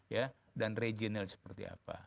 ya dan regional seperti apa